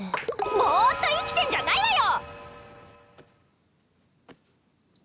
ぼうっと生きてんじゃないわよ！